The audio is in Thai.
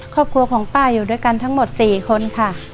ครอบครัวของป้าอยู่ด้วยกันทั้งหมด๔คนค่ะ